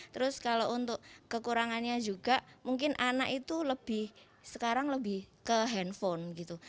terus kalau untuk kekurangannya juga mungkin anak itu lebih sekarang lebih ke handphone gitu